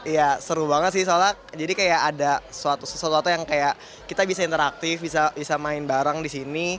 ya seru banget sih soalnya jadi kayak ada sesuatu yang kayak kita bisa interaktif bisa main bareng di sini